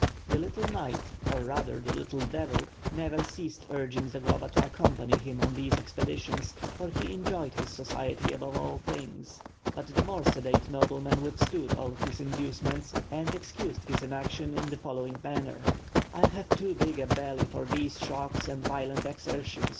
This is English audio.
The little knight, or rather the little devil, never ceased urging Zagloba to accompany him on these expeditions, for he enjoyed his society above all things, but the more sedate nobleman withstood all his inducements, and excused his inaction in the following manner: "I have too big a belly for these shocks and violent exer tions.